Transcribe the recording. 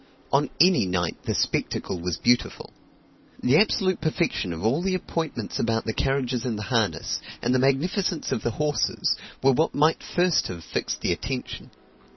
On any night the spectacle was beautiful. The absolute perfection of all the appointments about the carriages and the harness, and the magnificence of the horses, were what might first have fixed the attention.